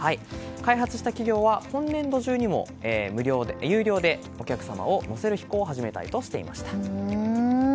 開発した企業は今年度中にも有料でお客様を乗せる飛行を始めたいとしていました。